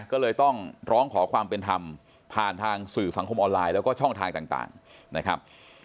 ก็เลยต้องร้องขอความเป็นธรรมผ่านทางสื่อสังคมออนไลน์แล้วก็ช่องทางต่างนะครับ